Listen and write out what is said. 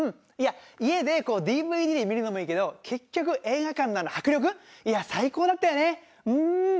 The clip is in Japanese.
いや家でこうＤＶＤで見るのもいいけど結局映画館のあの迫力いや最高だったよねうん。